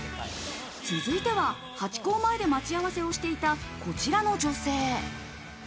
続いてはハチ公前で待ち合わせをしていた、こちらの女性。